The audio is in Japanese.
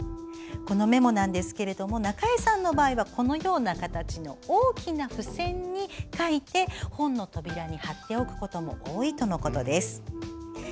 このメモは中江さんの場合はこのような形の大きな付箋に書いて本の扉に貼っておくことも多いとのことです。